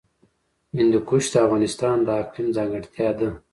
هندوکش د افغانستان د اقلیم ځانګړتیا ده.